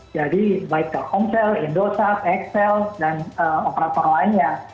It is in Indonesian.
jadi baik di hongsel indosat excel dan operator lainnya